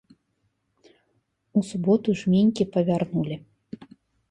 У суботу жменькі павярнулі.